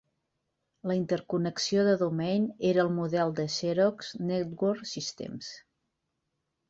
La interconnexió de Domain era el model de Xerox Network Systems.